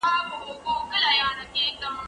زه انځور نه ګورم؟!